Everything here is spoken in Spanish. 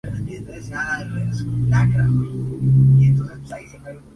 Inflorescencia en capítulos florales solitarios en el apex de los tallos.